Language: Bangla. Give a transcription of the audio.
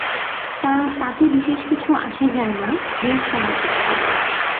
তা, তাতে বিশেষ কিছু আসে যায় না, ঢের সময় আছে।